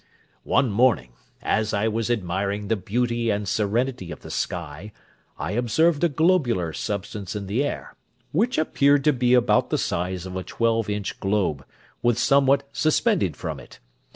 One morning, as I was admiring the beauty and serenity of the sky, I observed a globular substance in the air, which appeared to be about the size of a twelve inch globe, with somewhat suspended from it.